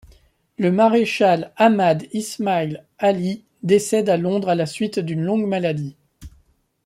Le Maréchal Ahmad Ismail Ali décède à Londres à la suite d'une longue maladie.